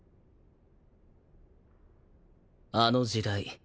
あの時代。